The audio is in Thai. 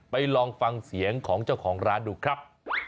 ลองฟังเสียงของเจ้าของร้านดูครับ